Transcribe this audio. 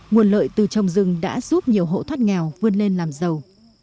nguồn lợi từ trồng rừng đã giúp nhiều hộ thoát nghèo vươn lên làm giàu